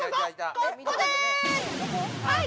はい！